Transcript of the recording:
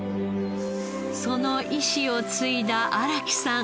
その遺志を継いだ荒木さん。